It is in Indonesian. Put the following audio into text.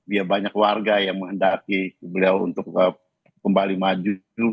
ya banyak warga yang menghendaki beliau untuk kembali maju